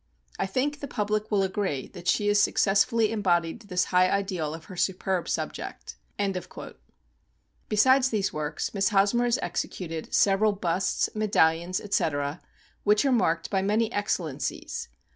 7 I think the public will agree that she has successfully embodied this high ideal of her superb subject." Besides these works, Miss Hosmer has executed several busts, medallions, &c, which are marked by many excellencies.